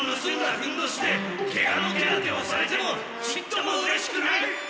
ふんどしでケガの手当てをされてもちっともうれしくない！